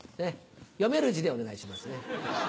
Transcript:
読める字でお願いしますね。